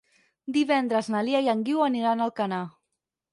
Divendres na Lia i en Guiu aniran a Alcanar.